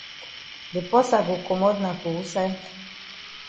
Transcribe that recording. De porsa go komot na for wusaid?